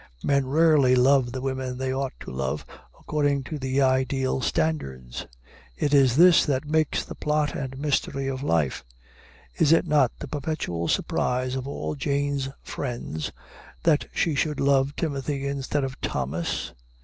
Men rarely love the women they ought to love, according to the ideal standards. It is this that makes the plot and mystery of life. Is it not the perpetual surprise of all Jane's friends that she should love Timothy instead of Thomas?